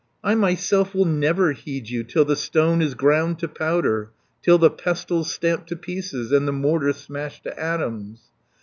I myself will never heed you Till the stone is ground to powder. Till the pestle's stamped to pieces, And the mortar smashed to atoms.